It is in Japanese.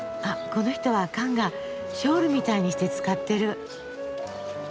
この人はカンガショールみたいにして使ってる。